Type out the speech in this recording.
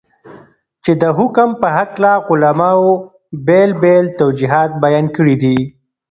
چې دحكم په هكله علماؤ بيلابيل توجيهات بيان كړي دي.